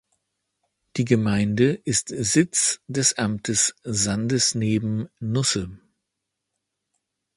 Die Gemeinde ist Sitz des Amtes Sandesneben-Nusse.